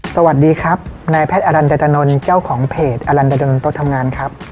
สวัสดีครับนายแพทย์อรันดาตนนท์เจ้าของเพจอลันดลโต๊ะทำงานครับ